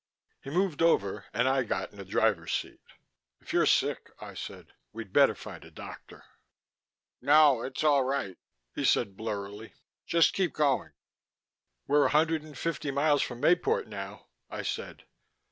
He moved over and I got in the driver's seat. "If you're sick," I said, "we'd better find a doctor." "No, it's all right," he said blurrily. "Just keep going...." "We're a hundred and fifty miles from Mayport now," I said.